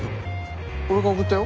俺が送ったよ？